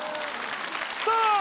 さあ